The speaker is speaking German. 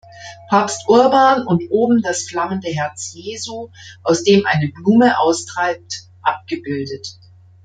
Papst Urban und oben das flammende Herz Jesu, aus dem eine Blume austreibt, abgebildet.